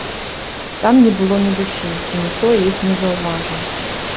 Там не было ні душы, і ніхто іх не заўважыў.